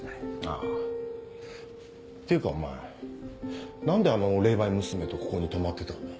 ああていうかお前何であの霊媒娘とここに泊まってたんだ？